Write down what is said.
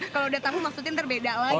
kalau udah tamu masukin terbeda lagi